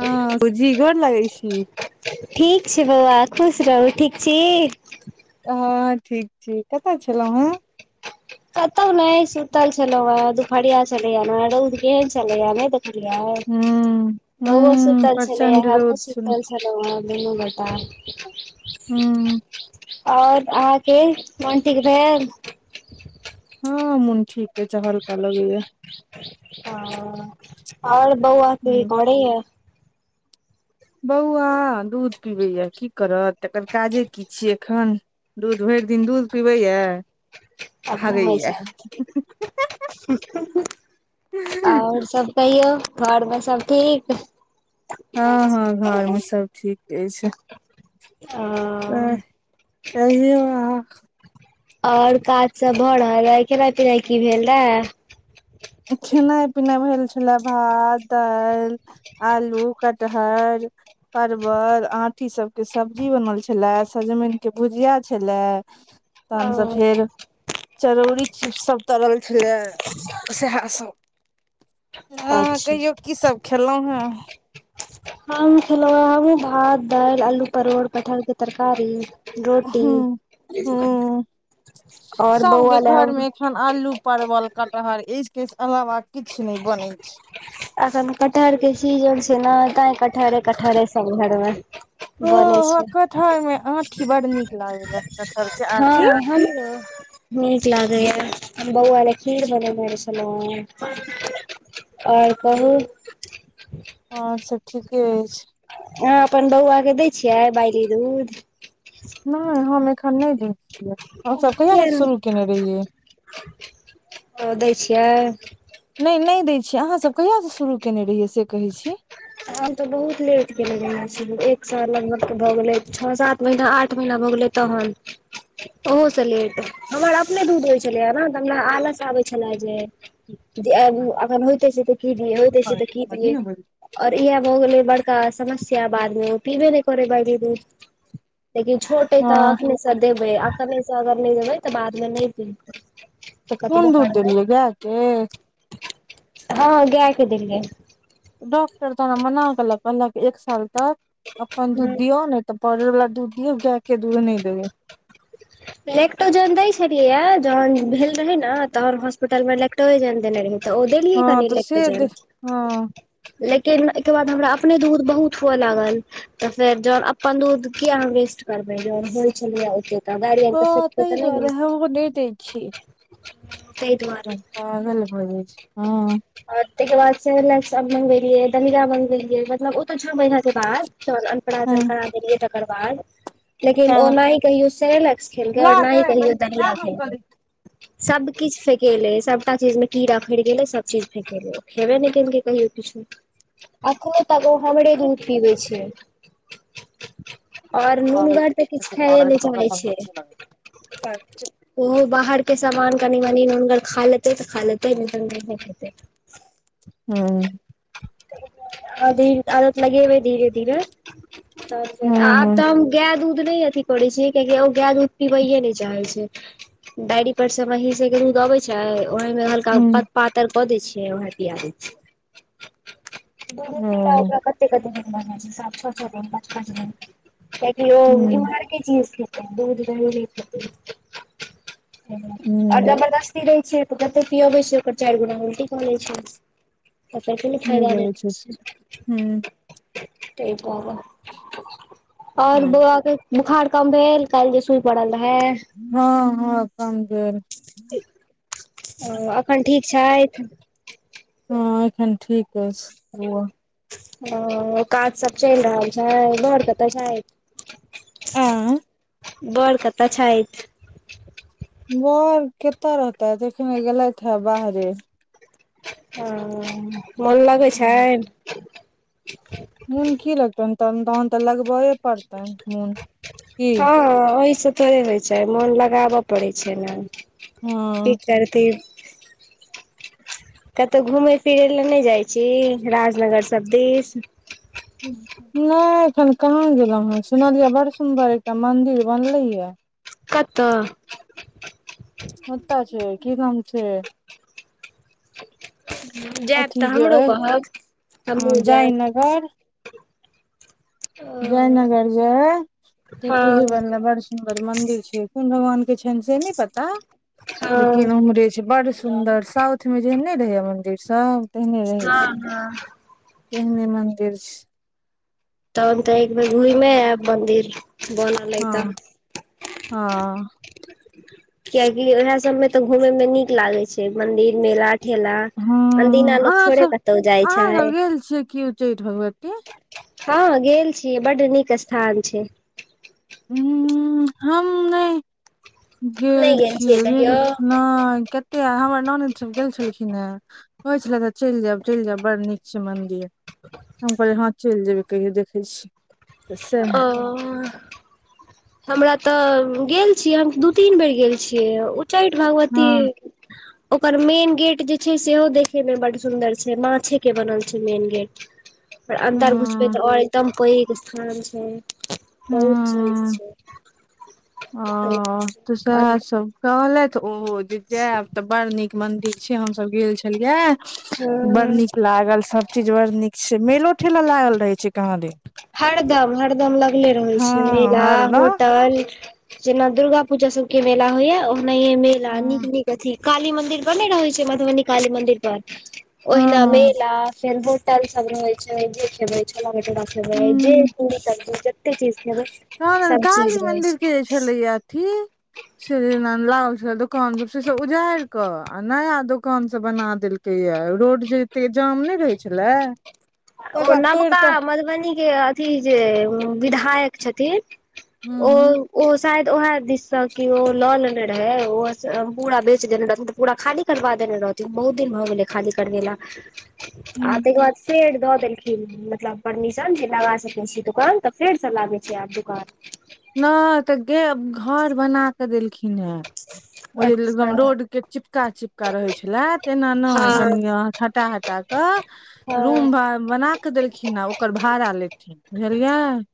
हँ, गुजी गोर लगै छी। ठीक छै बौआ, खुश रहू, ठीक छी? हँ ठीक छी, कतय छलौं हैंऽ? कतौ नैय, सुतल छलौं हैंऽ, दुपहरिया छलैयैऽ न? रौद केहेन छलैयैऽ, नै देख लियै, हेँ हूँ बौवो हूँ सुतल छलैयैऽ, प्रचंड हमहुँ रौद छल सुतल छलौं हैंऽ दुनू गोटा। हूम्म। और अहाँके मोन ठीक भेल? [inaudible] हँ मुन ठीक अइछ, हल्का लगैयैऽ। अऽ और बौवा कि हूँ करै यैऽ? बौवा दूध पीबैयैऽ, की करत? एकर काजे की छियै एखन? दूध भैर दिन दूध पीबैयैऽ। आ घुमै छैत, और सब? कहियौ, घर में सब ठीक? हँ-हँ, घर में सब ठीक अईछ। कहियौ अहाँ अऽ। और काज सब भऽ रहल अई? खेनाई पिनाई की भेल रहैऽ? खेनाइ पिनाइ भेल छलैऽ भात, दाईल आलू कटहर परवल आंठी सब के सब्जी बनल छल्लैऽ, सजमैन के भुजिया छल्लैऽ। [inaudible] तहन स फेर ओ चरौरी चीप्स सब तरल छल्लैऽ। सेहैऽ सब, अहॉं अच्छा कहियौ की सब खेलौं हैंऽ? हँ खेलौं हंऽ भात, दाईल, आलू परोड़ कटहल के तरकारी। रोटी हूं हूं और बौवा लैऽ हम हम आलू परबल कटहर इज के स-अलावा किछ नैय बनै छै। अखन कटहर के सीजन छ- छै नऽ तै कठहरे- कठहरे सब घर मे बनेै छै। आठी बड नीक लागल कठहर के आठी। हँ हमरो नीक लागैया बौवा लेए खीर बनेने छेलौ हेँ। और कहू? और सब ठीके अइछ। आहाँ अपन बौआके दै छियै बाइली दूध? नैय हम एखन नै दै छियै हम सब कहिया किया से नै शुरू केने रहियै। ओ दै छियै? नै- नै दै छियै आहाँसब कहियासँ शुरू केने रहियै से कहै छी? आब तऽ बहुत लेट केने रहे से एक साल लगभग भऽ गेलै छ सात महीना आठ महीना भऽ गेलेै। तहन ओहोसँ लेट हमर अपने दूध होइ छेलै हे [unintelligible] हमरा आलस आबै छेल्ला जे। जे एगु एखन होइते छै तऽ की दिय होइते छै तऽ की दियै। और इएहे भऽ गेलै बड़का समस्या बाद मे पीबे नै करेै बायली दूध। लेकिन छोट अइ तऽ हँ एखने सऽ। तऽ देबै अखने सऽ अगर नै देबै तऽ बाद मे नै पीतै। तऽ कोन दूध देलियै गाय के? हँ गेय के देलियै। डॉक्टर तऽ हमरा मना केलक कहलक एक साल तक अपन दूध ह दियऔ नेै- तऽ पाउडरवला दूध दियौ गेए के दूध नै देबै। लेक्टोजन दै छलियै येए जहन भेल रहेै ने तहन हॉस्पिटल मे लेक्टोजन देने रहेै। तऽ ओ दलियै हँ कनि तऽ से दे लेक्टोजन। हँ लेकिन एहिके बाद हमरा अपने दूध बहुत हुअ लागल। तऽ फेर जहन अपन दूध के कीया हम वेस्ट करबै जहन होइ छेलै ओते तऽ। गाड़ी आर हँ के तऽ फेकतै नहि ने तैयदुआरे हमहूँ नै दैय छीयै। ताहि दुआरे पागल भऽ जाय छै हँ। ताहिके बाद से सेरोलैक्स मंगबेलियै दलिया मंगवेलियै मतलब ओ तऽ छ महीन के बाद। [unintelligible] हँ अनपरासन करा देलियै तकर बाद लेकिन हँ ओ नहि कहियो सेेरेलेक्स- खेलकेै ला और नै गै कहियो बहिन ला दलिया हम कऽ खेलकेै। दै सबकिछ फेकेले सबटा चीज मे कीड़ा फइड़ गेलै सब चीज फेेकेले ओ खेबे नै केलकै कहियो किछो। एखनो तक ओ हमरे छी दूध पीबै छै। और पागल नूनगर तऽ किछ खेएबे पागल नै के पतला करैछै। फल ओहो बाहर के सामान कनी मनी नुनगर खा लेत। तै तऽ खा लेतै नै तऽ नै हे खेतै। हूँ। अभि आदत लगेबै धीरे धीरे तऽ आब हँ हँ तऽ हम- गेए दूध नै अथि करै छै कियकि ओ गेए दूध पिबैे नै चाहेै छै। डायरी पर से महींसे के दूध अबै छै। ओहिमे हल्का पा- पातर कऽ दै छियै ओएह पिया दै छियै। दुध पीला ह ओकरा कते -कते दिन भऽ जाए छै सात, छ-छ दीन पाँच-पाँच दीन। कियाकि ओ ह इम्हरके चीज खेतै दूध दहि नैय खेतै। और ह जबरदस्त। ती दैय छीय तऽ जते पियबेै छियै ओकर चैर गुना उल्टी कऽ दै छै तऽ फेर। कोनो नहि फायदा भेल। लगै छै ह हँ [unintelligible] ते दुआरे और वौआ के बोखार कम भेल काल्हि जे सूइ पड़ल रहै? हँ हँ कम भेल। ओ एखन ठीक छथि? हँ एखन ठीक ऐ बौआ। ह काज सब चलि रहल छै बर कतऽ छैथ? आ बड़ कतऽ छथि? बर कतऽ रहतैथ? अखने गेलैथ ह बाहरे। ओ मन लागै छैन? मून की लगतनि तहेन तऽ लगबये पड़तनि मोन की हँ ओहि स थोड़े होइत छै मोन लगाबऽ पड़ैत छै ने की हँ करथिन। कतहु घुमै फिरै लए नहि जाइ छी राजनगर सब दिस? नहि एखन कहाँ गेलो हें सुनलियै बड़ सुंदर एकटा मंदिर बनले ये। कतऽ? ओतय छै की नाम छै? जायब ओथी तऽ जे हमरो अई कहब हमहुँ जायब जयनगर। हँ जयनगर जे आई तुतही हँ बनले बड़सु कोन दन मंदिर छै कोन भगवान के छनि से नहि पता हँ लेकिन उम्हरे छै बड़ सुन्दर साउथ मे जेहने रहैया मन्दिर सब तेहने रहै छै। हँ तेहने मन्दिर छै। तब तऽ एक बेर घुमे आयब मदिर, बनल अई हँ त। हँ। कियकि ओएह सब में तऽ घूमे में नीक लागे छै मंदिर मेला ठेला अनदिना हँ लोक अहाँ थोड़े सब कतहु जाइ छै? अहाँ सब गेल छियै कि उच्चैठ भगव ती। हँ गेल छी बड नीक स्थान छै। ऊं हम नहि गेल छियै बुछिली कि नहि कते हमर नानद सब गेल छलखिन हे। होइ छलै तऽ चलि जायब चलि जायब बड़ नीक छै मंन्दिर। हम कहलिय हँ चलि जेबै कहियो देखै छियै। ओ। हमरा तऽ गेल छियै हम दू तीन बेर गेल छियै उच्चैठ हँ भगवती ओकर मेन गेट जे छै सेहो देखे में बड सुंदर छै माछे के बनल छै मेन गेट। ठ [inaudible] त अंन्दर घुसबे हँ त और एकदम पेग स्थान छै बहुत निक हँ छै। ओ त सेह छै। तब कहलथि ओ जे जायब त बड़ नीक मंदिर छै हमसभ गेल छलियै। हम्म। बड़ नीक लागल सब चीज बड़ नीक छै मेलो ठेला लागल रहे छै कहाँ देन। हरदम हरदम लगले रहै छै मेला हरदम होटल। जेना दुर्गा पूजा सब के मेला होइया ओनाहे मेला नीक हँ नीक अथी काली मंदिर पर नै रहै छै मधुबनी काली मंदिर पर हँ ओहिना हँ मेला फेर होटल सब रहै छै जे खेबै छोला भटोरा खेबै जे हूँ सब जते चीज खेबै। कहादन सब काऽली चीज रहै मन्दिर छै के जे छलैया अथीऽ सेल जना लाल दोकान सब सेसब उजैर कऽ आ नया दुोकान सब बना देलक्- कैये। रोड जे एते जाम नय रहै छलै ओ नबका मधुबनी के अथी जे विधायक छथिन हूं ओ हूं ओ शायद ओहेऽ दिश स कियो ल लेने रहैऽ ओस पूरा बेच देने रहथिन उत पूरा खाली करबा देने रहथिन बहुत दिन भ गेलै खाली करबेला हूं आ तइके बाद फेर द देलखिन। मतलब परमिशन जे लगा सकै छीै दुकान। त फेरसँ लागय छै आब दुकान। नइ त गे घर बना क देलखिनहें। ओ जे एकदम अच्छा रोड के चिपका- चिपका रहय छलै तेना नय हँ कनि हटा- हटा क रूम हँ भा- बनाके देलखिनहें ओक्कर भाड़ा लेथिन बुझलियैऽ।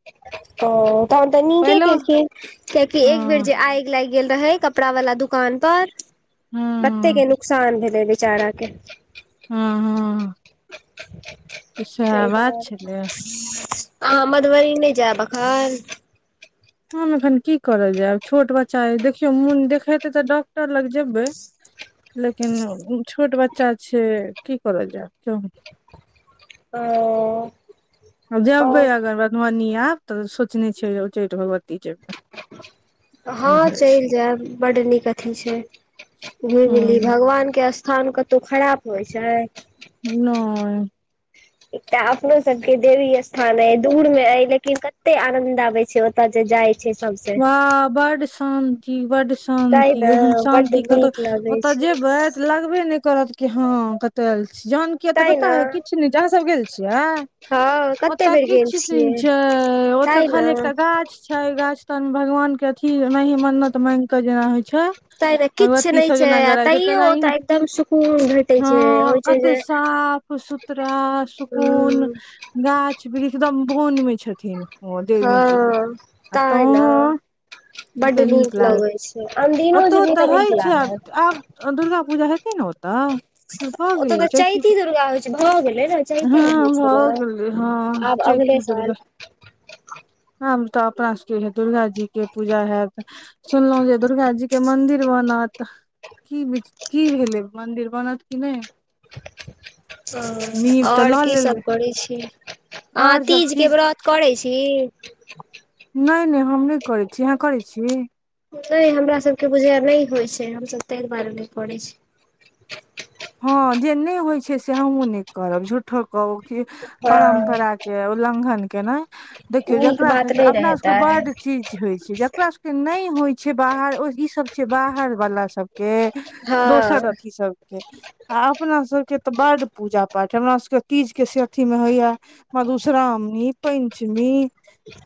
ओ तहन त नीके केलखिन किऐकि एक बेर हँ जे आइग लाइग गेल रहय कपड़ा वला दुकान पर कत्ते के हँ नुकसान भेलैय बेचारा के हँ हँ तऽ सएह तय बात दुआरे। छलै अहाँ मधुबनी नय जैब अखन? हम एखन की करऽ जैब? छोट बच्चा अय देखियौ मोन देखेते तऽ डॉक्टर लग जेबैय। लेकिन छोट बच्चा छै। की कर जैऽब। [unintelligible] ओ। जेबैय अगर मधुबनी आब, तऽ सोचने छियै उचैठ भगवती जेबैय। हँ चैइल जैब। बड्ड नीक अथी छै। घुइम ली हूँ भगवान के अस् थान कत्तौ खराब होइ छै? नय। एकटा अपने सब के देवी स्थान अय दूर में अय लेकिन कत्ते आनंद आबय छै ओतऽ जे जाय वाह बड्ड शांति बड्डश- तैं शांति। ने ओहन बड शांति कत्तौ। नीक लगै ओतऽ छै जेबय लगबे नय करत कि हँ कत्त ऐल छी? जहन कि एतऽ तैं पता ने अय किछ्छ नय छय। अहाँ सब गेल छियै? हँ कते बेर गेल ओतऽकिछ दिन छियै छय, ओतऽ तैं ने खाली एकटा गाछ छै गाछ तरमे भगवान के अथी महि मन्नत मैंग एत्त जना होइ छै। तैं ने किछ भगवत्ती नहि सब जना आ गड़ाइ छै तैयो तेनाही ओतऽ एकदम सुकून भेटै छै होइ छै हँ-कत्ते जे साफ, सुथरा, हूँ सुकून गाछ, वृक्ष एकदम बन मे छथिन। ओ देवी जी हँ- आ तैं ने तहन बड्ड कते नीक लागैत लगै छै। अनदिनो जेभी तऽ नीक लागत। ओ दुर्गा पूजा हेतैय ने ओतऽ? कि भऽ ओत तऽ गेलै चैती दुर्गा होइ छै, भऽ गेलै ने, हँ चैतेमे होइ छै भऽ ने। आब अगले साल हम तऽ अपना सबके हे दुर्गा जी के पूजा हैत। सुनलहुँ जे दुर्गा जी के मन्दिर बनत। की विच-? की भेलै? मंन्दिर बनत की नय? नीव तऽ और लऽ की सब लेल करै छी? आं आओर सब तीज के ठीक व्रत करै छी? नै- नै हम नय करै छी। अहाँ करै छी? नय हमरा सभके बुझयै नय होइ छै। हमसभ तैं दुआरे नय करैय छी। हँ जे नय होइ छै से हमहूँ नय करब झूठ्ठो के ओ की हँ परम्परा के उल्लंघन केनाय। देखियौ नीक जेकरा बात सभके, नहि ने अपना सभके हेतै बड चीज जे होय छै, जेकरा सबके नै होइ छै बाहर, ओ ई सब छै बाहर वाला सभ के, हँ दोसर अथी सभके, आ अपना सभके तऽ बड पूजा पाठ हमरा सभके तीजके से अथि मे होय यऽ, मधुश्रावणी, पैंञ्चमी।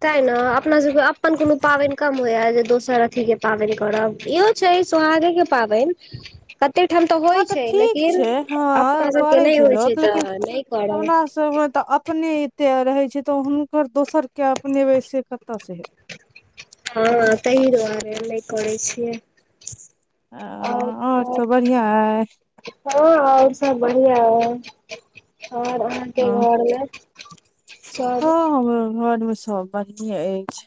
तैं नऽ अपना सभके अप्पन कोनो पाबैन कम होइए जे दोसर अथी के पाबैन करब इहो छै, सोहागेके पाबैन। कत्ते ठाम तऽ हँ होइ छै ठीक लेकिन छै हँ अपना सभके नै होइ छै तऽ नइ करब। सभ ओतऽ अपने एत्ते रहै छै तऽ हुनकर दोसर के अपनेबै से कतऽ से हेतै। हँ, तहि दुआरे नइ करै छियै। आओर सभ सब बढ़िआँ अइ हँ आओर सभ बढ़िआं ऐ, आर अहाँके घरमे। सब हँ, हमरो घर मे सभ बढ़ियें ऐछ।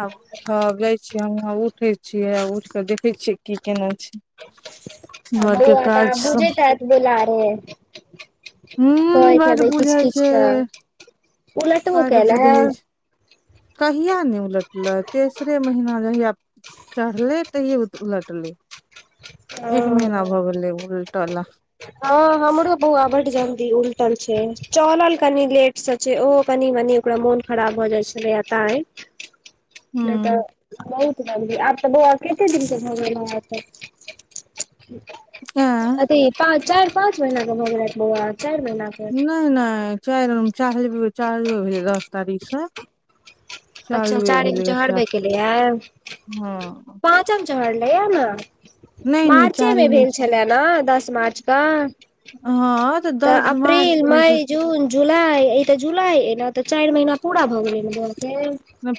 आब उठब, जाय छी हमहु। हँ उठ। उठै छियै आ उइठ कऽ देखै छियै कि केने छै? आ घरके बौआ तऽ काज आब सब बुझैत हैत बोलारे। हूँ, बड बुझै छै। तऽ उलटबो बड केला बुझै हे। छै। कहिया ने उलटलै तेसरे महीना जहिया चढ़ले तैहिये उत-उलटलै, एक महीना हँ भऽ गेलै उलटऽ ला। हँ हमरो बौआ बड जल्दी उलटल छै, चऽलल कनि लेट से छे, ओहो कनि-मनि ओकरा मोन खराब भऽ जाय छलैए तैं। नै तऽ हूँ बहुत जल्दी, आब तऽ बौआ केते दिन के भऽ गेल अहाॅंके? [unintelligible] पाँच, चारि-पाँच महिना कऽ भऽ गेलैथ बौआ, चारि महिना नै-नै चारि [unintelligible] चालुए भेलै दस तारीख सॅं अच्छा चारिम चहरबे केलय ये, हँ पाँचम चहढ़ले यऽ ने। नहि नहि मार्चे चारी मे भेल छै छलऽ नऽ, दस मार्च कऽ? हँ तऽ दस मार्च अप्रील, के भेल छै मई, जून जुलाई, ई तऽ जुलाई ए नऽ तऽ चारि महीना पूरा भऽ गेलै नऽ बौआके।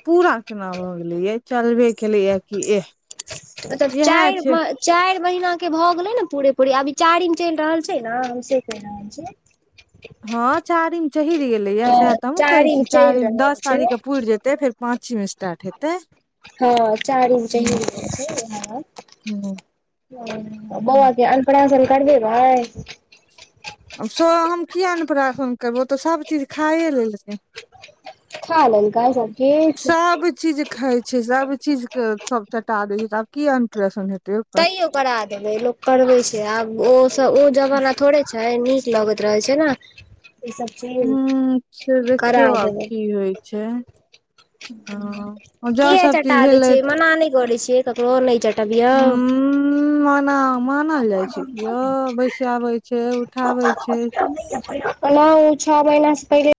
पूरा केना भऽ गेलै यै, चलबे केलैया कि एह मतलब इहा चारि छै। चारि महिना के भऽ गेलै नऽ पूरे-पूरी, अभी चारिम चलि रहल छै नऽ, हम से कहि रहल छी। हँ, चारिम चहैर गेलैए सएह हँ तऽ हमहुँ कहै चारिम छी, चलि चारिम रहल दस छै तारीख केँ पुरि जेतै फेर पाँचीम स्टार्ट हेतै। हँ चारिम चहैर हूँ गेल छै। हँ हूँ हूँ बौआके अन्नप्राशन करबेबै? आब सोओ हम कि अन्नप्राशन करबौ ओतऽ सभचीज खाए लेलकै। खा लेलकै, सबचीज। सब चीज खाई छै, सब चीज के सब चटा देय छै। तऽ आब की अन्नप्राशन हेतय। तैयो करा देबै, लोक करबै छै। आब ओ सभ ओ जवाना थोड़े छै। नीक कि लगैत रहै छै नऽ, ई सभ हुॅं, से देखियौ आब देबै की होइ छै। हँ जँ के सभ चटा चीज दै भेलै छै। तऽ मना नै कऽरै छियै ककरो, नै चटबियौ। उं मना-मानल जाइ छै कियो बैइसाबै छै, उठाबै छै। तऽ नै एबै हम। ओनाहीं ओ छहो महिनासँ पहिले